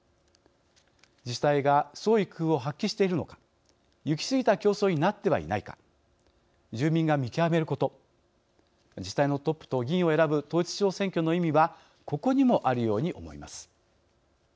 自治体が創意工夫を発揮しているのか行き過ぎた競争になってはいないか住民が見極めること自治体のトップと議員を選ぶ統一地方選挙の意味はここにもあるように思います。